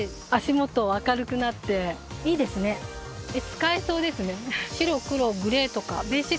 使えそうですね。